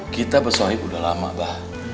kita bersohib udah lama ba